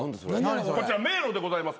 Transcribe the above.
こちら迷路でございます。